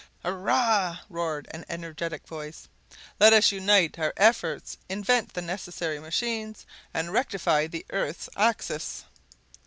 "Hurrah!" roared an energetic voice, "let us unite our efforts, invent the necessary machines, and rectify the earth's axis!"